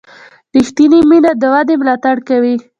ریښتینې مینه د ودې ملاتړ کوي.